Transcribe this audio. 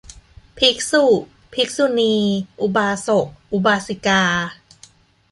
ภิกษุ ภิกษุณี อุบาสก อุบาสิกา